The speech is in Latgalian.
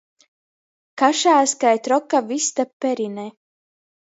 Kašās kai troka vysta perine.